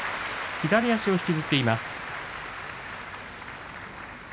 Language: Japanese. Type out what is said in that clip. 左足を引きずっています。